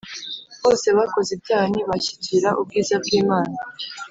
Bose bakoze ibyaha ntibashyikira ubwiza bw'Imana